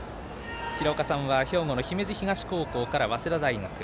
廣岡さんは兵庫の姫路東高校から早稲田大学。